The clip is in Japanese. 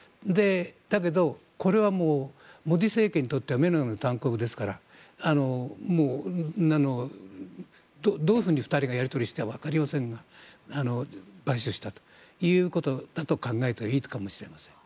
だけど、これはモディ政権にとっては目の上のたんこぶですからもう、どういうふうに２人がやり取りしたかは分かりませんが買収したということだと考えていいかもしれません。